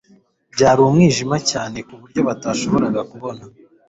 byari umwijima cyane ku buryo batashoboraga kubona